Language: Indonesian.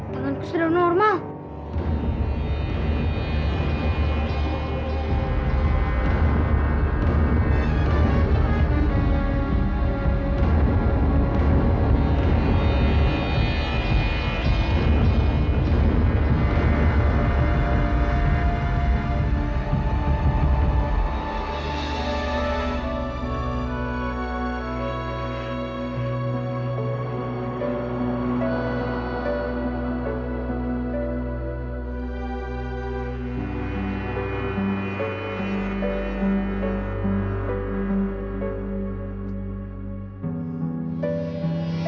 tanganku sudah normal